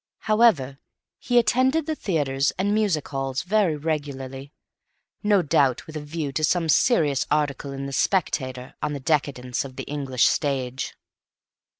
However, he attended the theatres and music halls very regularly—no doubt with a view to some serious articles in the "Spectator" on the decadence of the English stage.